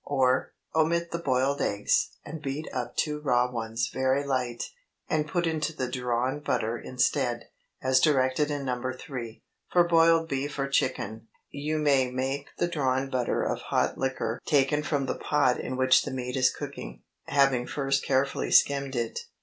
Or, Omit the boiled eggs, and beat up two raw ones very light, and put into the drawn butter instead, as directed in No. 3. For boiled beef or chicken, you may make the drawn butter of hot liquor taken from the pot in which the meat is cooking, having first carefully skimmed it.